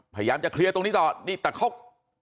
พยายามจะเคลียร์ตรงนี้ต่อนี่แต่เขา